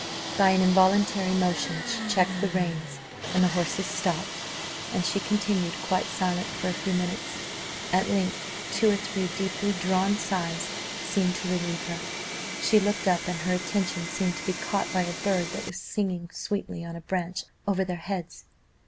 By an involuntary motion, she checked the reins, and the horses stopped, and she continued quite silent for a few minutes: at length two or three deeply drawn sighs seemed to relieve her; she looked up, and her attention seemed to be caught by a bird that was singing sweetly on a branch over their heads.